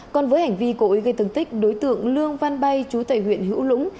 còn với hành vi cội gây tấn tích đối tượng lương văn bay chú tại huyện hữu lũng